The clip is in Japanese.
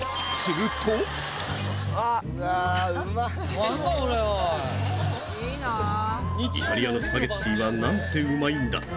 そう「イタリアのスパゲティは何てうまいんだ」